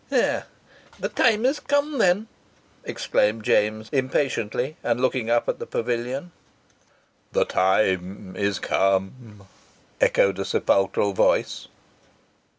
"The time is come, then!" exclaimed James impatiently, and looking up at the pavilion. "The time is come!" echoed a sepulchral voice.